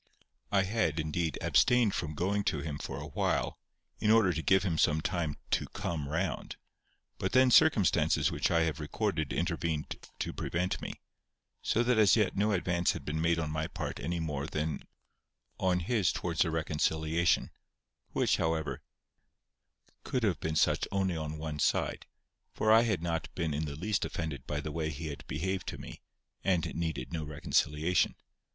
I had, indeed, abstained from going to him for a while, in order to give him time TO COME ROUND; but then circumstances which I have recorded intervened to prevent me; so that as yet no advance had been made on my part any more than on his towards a reconciliation; which, however, could have been such only on one side, for I had not been in the least offended by the way he had behaved to me, and needed no reconciliation.